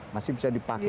masih bisa dipakai